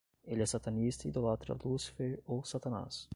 Ele é satanista e idolatra Lucifer ou Satanás